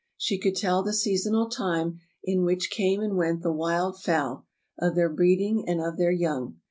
She could tell the seasonal time in which came and went the wild fowl, of their breeding and of their young.